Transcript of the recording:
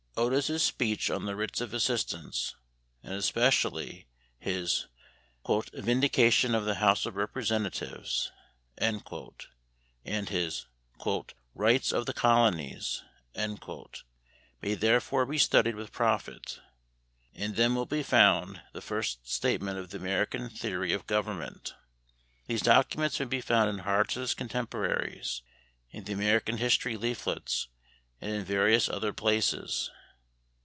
Otis' speech on the Writs of Assistance, and especially his "Vindication of the House of Representatives" and his "Rights of the Colonies" may therefore be studied with profit. In them will be found the first statement of the American theory of government. These documents may be found in Hart's Contemporaries, in the American History Leaflets, and in various other places.